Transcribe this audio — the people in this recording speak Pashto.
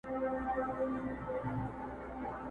ويل زما د سر امان دي وي څښتنه!!